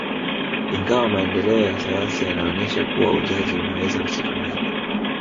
Ingawa maendeleo ya sayansi yanaonesha kuwa uzazi unaweza usifanyike